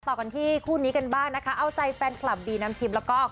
ต่อกันที่คู่นี้กันบ้างนะคะเอาใจแฟนคลับบีน้ำทิพย์แล้วก็